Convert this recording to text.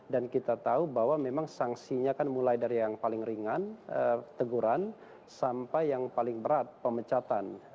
dan kita tahu bahwa memang sangsinya kan mulai dari yang paling ringan teguran sampai yang paling berat pemecatan